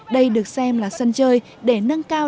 đây được xem là sân chơi để nâng cao